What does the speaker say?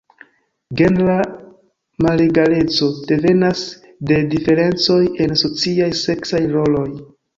Genra malegaleco devenas de diferencoj en sociaj seksaj roloj.